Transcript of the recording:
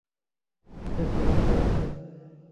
ھتي ڪِني ڀاسَ ئي.